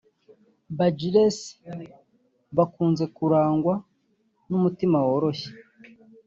Ba Gilles bakunze kurangwa n’umutima woroshye